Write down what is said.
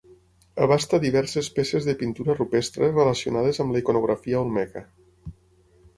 Abasta diverses peces de pintura rupestre relacionades amb la iconografia olmeca.